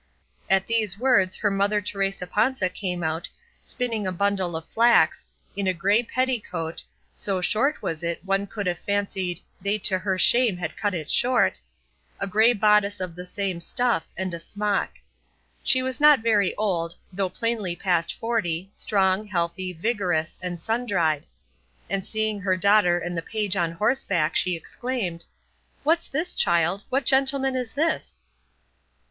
At these words her mother Teresa Panza came out spinning a bundle of flax, in a grey petticoat (so short was it one would have fancied "they to her shame had cut it short"), a grey bodice of the same stuff, and a smock. She was not very old, though plainly past forty, strong, healthy, vigorous, and sun dried; and seeing her daughter and the page on horseback, she exclaimed, "What's this, child? What gentleman is this?"